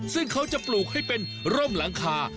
ซึ่งเขาจะปลูกให้เป็นร่มหลังคา